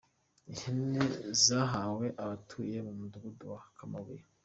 Ihene zahawe abatuye mu mudugudu wa Kamabuye.